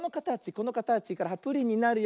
このかたちからプリンになるよ。